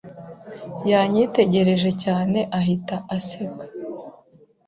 Yanyitegereje cyane ahita aseka